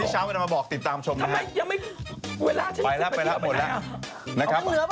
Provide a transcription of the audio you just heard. โหมันเหนือเปล่า